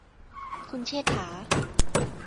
คุณเชษฐา